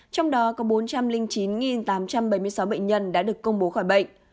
trong đó có bốn trăm linh chín tám trăm bảy mươi sáu bệnh nhân đã được công bố khỏi bệnh